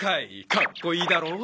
かっこいいだろう？